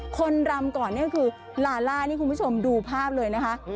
คนลำก่อนก็คือลาร่าร์ผมดูภาพเลยนะคะ